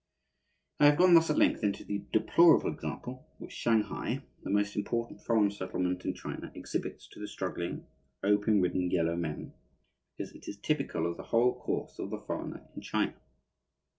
I have gone thus at length into the deplorable example which Shanghai, the most important foreign settlement in China, exhibits to the struggling, opium ridden yellow men, because it is typical of the whole course of the foreigner in China.